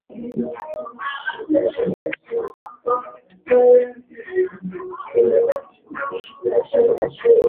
naibu katibu mkuu wa jumuiya majeshi ya kujihami nchi za magharibi